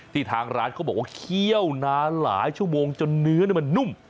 ทางร้านเขาบอกว่าเคี่ยวนานหลายชั่วโมงจนเนื้อมันนุ่ม